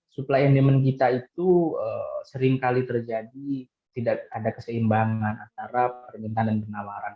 supply and demand kita itu sering kali terjadi tidak ada keseimbangan antara permintaan dan penawaran